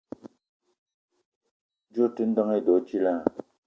Djeue ote ndeng edo djila?